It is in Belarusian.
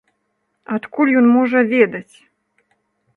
Адкуль ён можа ведаць?